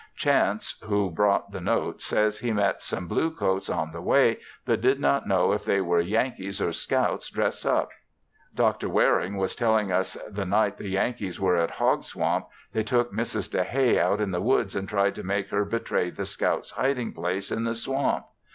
Chance, who brought the note says he met some blue coats on the way but did not know if they were "Yankees or scouts dress up." Dr. Waring was telling us the night the Yankees were at Hog Swamp, they took Mrs. DeHay out in the woods and tried to make her betray the scouts' hiding place in the swamp.